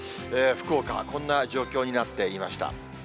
福岡はこんな状況になっていました。